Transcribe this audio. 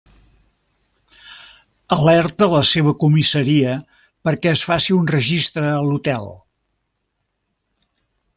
Alerta la seva comissaria perquè es faci un registre a l’hotel.